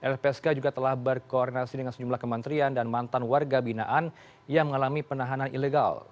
lpsk juga telah berkoordinasi dengan sejumlah kementerian dan mantan warga binaan yang mengalami penahanan ilegal